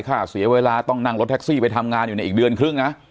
เสียเวลาต้องนั่งรถแท็กซี่ไปทำงานอยู่ในอีกเดือนครึ่งนะ